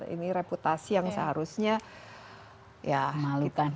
ini reputasi yang seharusnya ya malitan